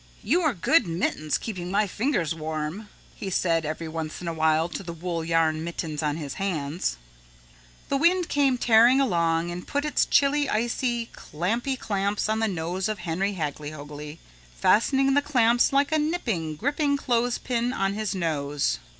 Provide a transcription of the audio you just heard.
"You are good, mittens, keeping my fingers warm," he said every once in a while to the wool yarn mittens on his hands. The wind came tearing along and put its chilly, icy, clammy clamps on the nose of Henry Hagglyhoagly, fastening the clamps like a nipping, gripping clothes pin on his nose.